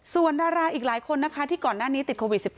ส่วนดาราอีกหลายคนนะคะที่ก่อนหน้านี้ติดโควิด๑๙